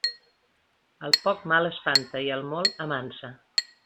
El poc mal espanta i el molt amansa.